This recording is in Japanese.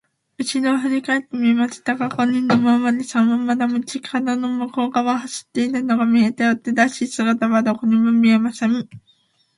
うしろをふりかえりましたが、五人のおまわりさんはまだ町かどの向こうがわを走っているとみえて、追っ手らしい姿はどこにも見えません。